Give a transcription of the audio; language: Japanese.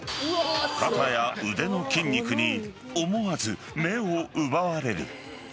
肩や腕の筋肉に思わず目を奪われる。